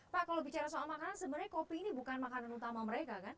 pak kalau bicara soal makanan sebenarnya kopi ini bukan makanan utama mereka kan